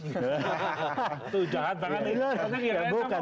itu jahat banget ini bukan